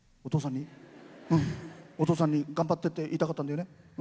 お父さんに頑張ってって言いたかったんだよね。